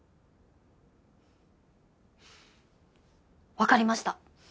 わかりました！